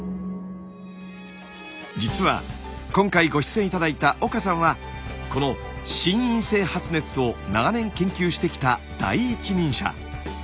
実は今回ご出演頂いた岡さんはこの心因性発熱を長年研究してきた第一人者。